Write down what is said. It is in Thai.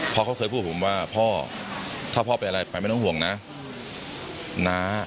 พ่อเขาเคยพูดผมว่าพ่อถ้าพ่อเป็นอะไรไปไม่ต้องห่วงนะน้า